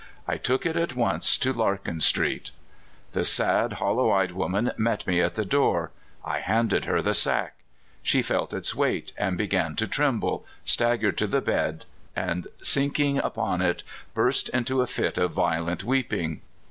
I took it at once to Larkin street. The sad, hollow eyed woman met me at the door. I handed her the sack — she felt its weight, began to tremble, staggered to the bed, and sinking down upon it, burst into a fit of violent weeping.